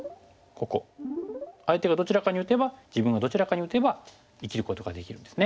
相手がどちらかに打てば自分がどちらかに打てば生きることができるんですね。